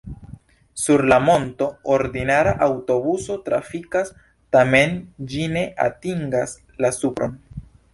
Sur la monto ordinara aŭtobuso trafikas, tamen ĝi ne atingas la supron.